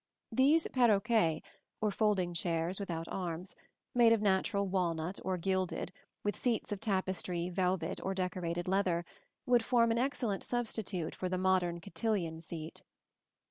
These perroquets, or folding chairs without arms, made of natural walnut or gilded, with seats of tapestry, velvet or decorated leather, would form an excellent substitute for the modern cotillon seat.